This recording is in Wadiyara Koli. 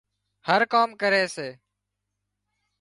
هر ڪام ڪري سي